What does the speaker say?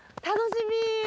楽しみ。